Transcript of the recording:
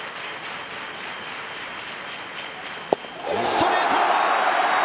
ストレート！